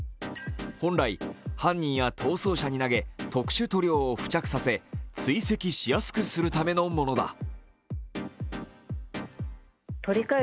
本来、犯人や逃走車に投げ、特殊塗料を付着させ追跡しやすくするためのものだ。